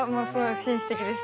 紳士的です。